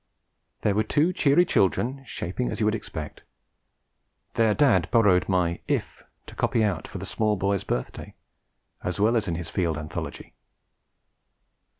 There were two cheery children, 'shaping' as you would expect; their dad borrowed my If to copy out for the small boy's birthday, as well as in his field anthology.